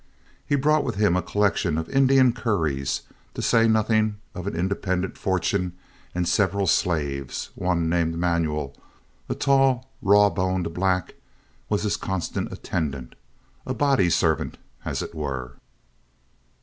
He brought with him a collection of Indian curies, to say nothing of an independent fortune and several slaves—one, named Manuel, a tall, raw boned black, was his constant attendant, a bodyservant, as it were.